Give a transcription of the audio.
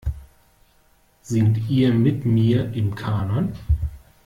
Singt ihr mit mir im Kanon?